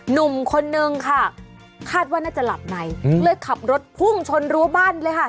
หนุ่มคนนึงค่ะคาดว่าน่าจะหลับในเลยขับรถพุ่งชนรั้วบ้านเลยค่ะ